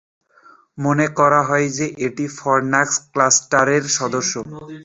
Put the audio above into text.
মনে করা হয় যে, এটি ফরনাক্স ক্লাস্টারের সদস্য।